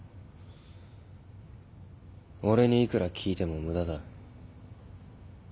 俺にいくら聞いても無駄だ。